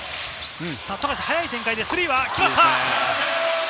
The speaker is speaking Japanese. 富樫、速い展開でスリーが来ました。